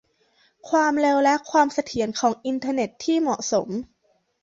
ความเร็วและความเสถียรของอินเทอร์เน็ตที่เหมาะสม